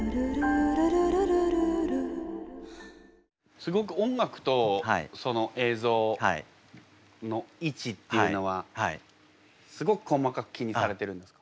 すごく音楽と映像の位置っていうのはすごく細かく気にされてるんですか？